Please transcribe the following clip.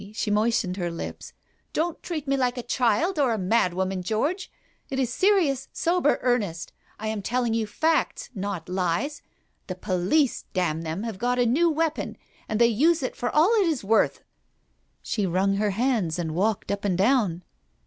She moistened her lips. "Don't treat me like a child or a madwoman, George. It is serious, sober earnest. I am telling you facts — not lies. The police — damn them !— have got a new weapon, and they use it for all it is worth. ..." She wrung her hands and walked up and down.